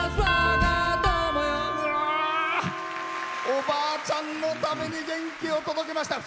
おばあちゃんのために元気を届けました！